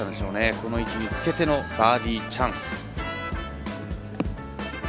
この位置につけてのバーディーチャンス。